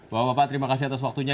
bapak bapak terima kasih atas waktunya